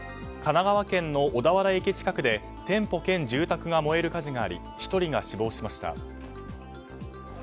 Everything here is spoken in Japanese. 神奈川県の小田原駅近くで店舗兼住宅が燃える火事があり１人が死亡しました。